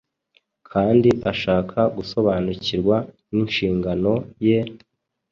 kandi ashaka gusobanukirwa n’inshingano ye,